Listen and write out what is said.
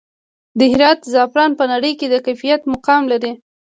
د هرات زعفران په نړۍ کې د کیفیت مقام لري